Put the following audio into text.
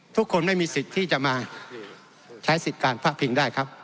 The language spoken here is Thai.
ทุกคนไม่มีสิทธิ์ที่จะมาใช้สิทธิ์การพระพิงได้ครับ